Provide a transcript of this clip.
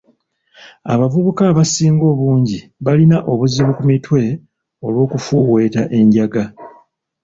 Abavubuka abasinga obungi balina obuzibu ku mitwe olw'okufuuweeta enjaga.